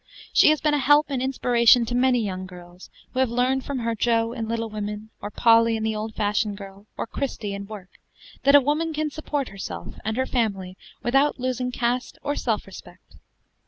She has been a help and inspiration to many young girls, who have learned from her Jo in 'Little Women,' or Polly in the 'Old Fashioned Girl,' or Christie in 'Work,' that a woman can support herself and her family without losing caste or self respect.